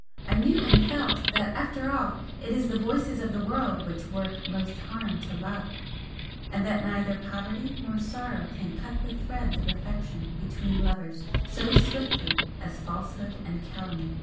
I knew and felt that after all it is the voices of the world which work most harm to love and that neither poverty nor sorrow can cut the threads of affection between lovers so swiftly as falsehood and calumny.